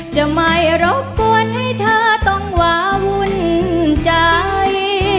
จะไม่รบกวนให้เธอต้องวาวุ่นใจ